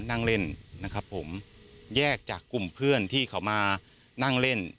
นั่งเล่นนะครับผมแยกจากกลุ่มเพื่อนที่เขามานั่งเล่น